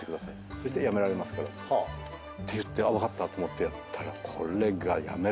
そしたらやめられますからっていって分かったと思ってやったらこれがやめられないんですよ。